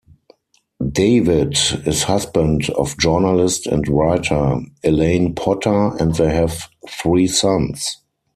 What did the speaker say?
David is husband of journalist and writer, Elaine Potter and they have three sons.